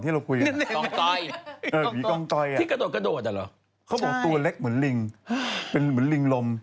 ที่กระโดดกระโดดอ่ะหรอเขาบอกตัวเล็กเหมือนลิงเป็นเหมือนลิงลม